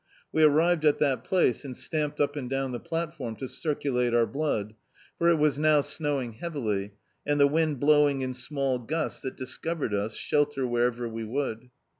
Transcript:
We arrived at that place and stamped up and down the platform, to circulate our blood, for it was now snowing heavily, and the wind blowing in small gusts that discovered us, shelter wherever we would.